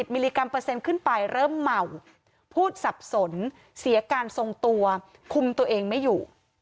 มิลลิกรัมเปอร์เซ็นต์ขึ้นไปเริ่มเมาพูดสับสนเสียการทรงตัวคุมตัวเองไม่อยู่